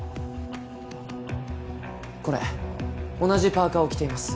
これ同じパーカーを着ています